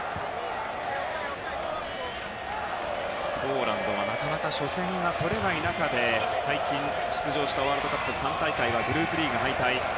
ポーランドはなかなか初戦が取れない中で最近、出場したワールドカップ３大会はグループリーグ敗退。